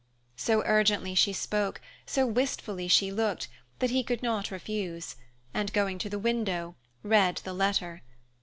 So urgently she spoke, so wistfully she looked, that he could not refuse and, going to the window, read the letter.